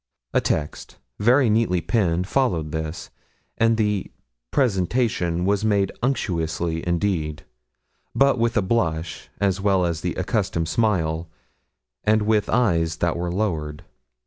A text, very neatly penned, followed this; and the 'presentation' was made unctiously indeed, but with a blush, as well as the accustomed smile, and with eyes that were lowered.